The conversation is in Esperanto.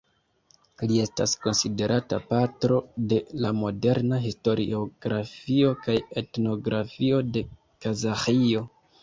Li estas konsiderata patro de la moderna historiografio kaj etnografio de Kazaĥio.